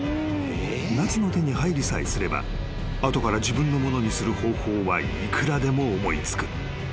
［奈津の手に入りさえすれば後から自分のものにする方法はいくらでも思い付く］